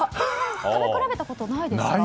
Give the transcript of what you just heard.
食べ比べたことないですか？